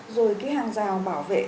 rồi cái hàng rào bảo vệ